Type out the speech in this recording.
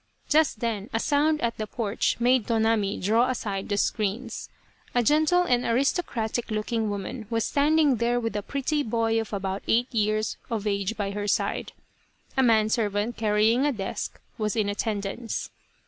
Just then a sound at the porch made Tonami draw aside the screens. A gentle and aristocratic looking woman was standing there with a pretty boy of about eight years of age by her side. A manservant, carry ing a desk, was in attendance.